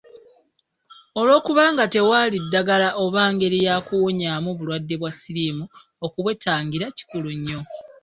Olw’okuba nga tewali ddagala oba ngeri ya kuwonyaamu bulwadde bwa siriimu, okubwetangira kikulu nnyo.